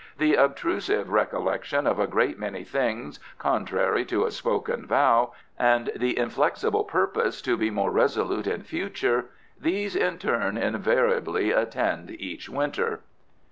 The obtrusive recollection of a great many things contrary to a spoken vow, and the inflexible purpose to be more resolute in future. These in turn invariably attend each Winter.